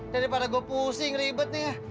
daripada gue pusing ribet nih